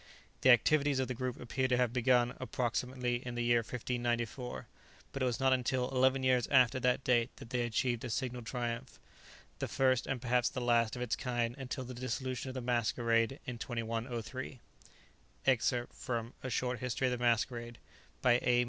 The activities of the group appear to have begun, approximately, in the year 1594, but it was not until eleven years after that date that they achieved a signal triumph, the first and perhaps the last of its kind until the dissolution of the Masquerade in 2103._ Excerpt from "A Short History of the Masquerade," by A.